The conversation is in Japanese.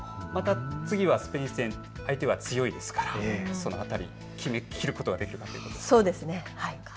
次はスペイン戦、相手が強いですからその辺り、決めることができるかというところですね。